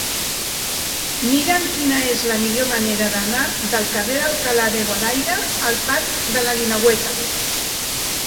Mira'm quina és la millor manera d'anar del carrer d'Alcalá de Guadaira al parc de la Guineueta.